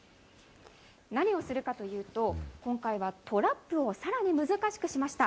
何をするかというと、今回はトラップをさらに難しくしました。